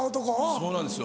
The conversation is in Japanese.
そうなんですよ。